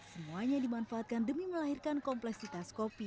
semuanya dimanfaatkan demi melahirkan kompleksitas kopi